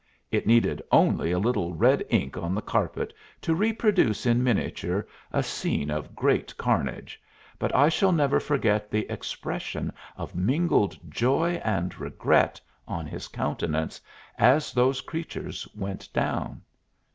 It needed only a little red ink on the carpet to reproduce in miniature a scene of great carnage, but I shall never forget the expression of mingled joy and regret on his countenance as those creatures went down.